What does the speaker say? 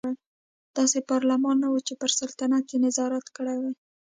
داسې پارلمان نه و چې پر سلطنت یې نظارت کړی وای.